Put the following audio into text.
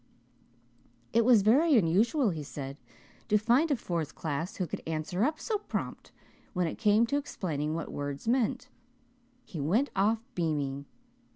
It was 'very unusual,' he said, to find a fourth class who could answer up so prompt when it came to explaining what words meant. He went off beaming.